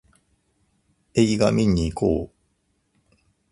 映画見にいこう